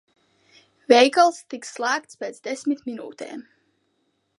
Veikals tiks slēgts pēc desmit minūtēm.